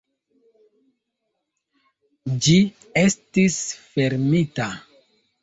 Ĝi estis fermita.